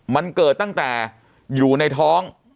มันเกิดตั้งแต่อยู่ในท้อง